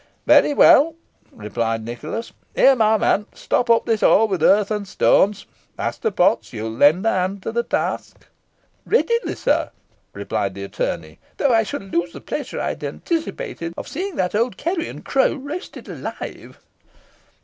"Very well," replied Nicholas. "Here, my man, stop up this hole with earth and stones. Master Potts, you will lend a hand to the task." "Readily, sir," replied the attorney, "though I shall lose the pleasure I had anticipated of seeing that old carrion crow roasted alive."